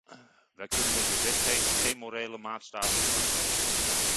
Wij kunnen met een wetgeving geen morele maatstaven vaststellen.